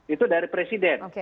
itu dari presiden